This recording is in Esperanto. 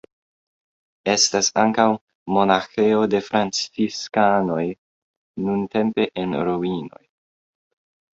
Estas ankaŭ monaĥejo de franciskanoj nuntempe en ruinoj.